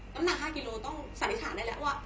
น้ำหนัก๕กิโลต้องสันนิษฐานได้แล้วว่า